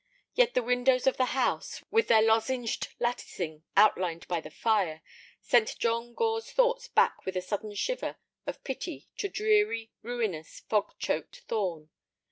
Yet the windows of the house, with their lozenged latticing outlined by the fire, sent John Gore's thoughts back with a sudden shiver of pity to dreary, ruinous, fog choked Thorn.